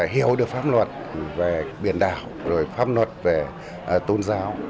hiểu được pháp luật về biển đảo pháp luật về tôn giáo